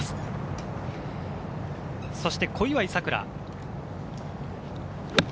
そして小祝さくら。